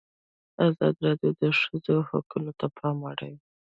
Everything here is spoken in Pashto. ازادي راډیو د د ښځو حقونه ته پام اړولی.